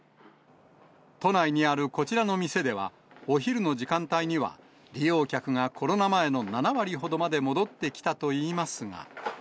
都内にあるこちらの店では、お昼の時間帯には利用客がコロナ前の７割ほどまで戻ってきたといいますが。